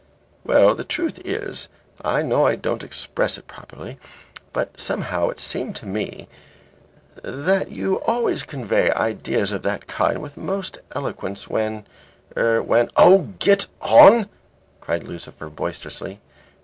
"Well, the truth is, I know I don't express it properly, but somehow it seemed to me that you always convey ideas of that kind with most eloquence, when er when " "Oh! get on," cried Lucifer, boisterously.